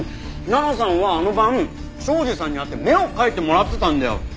奈々さんはあの晩庄司さんに会って目を描いてもらってたんだよ！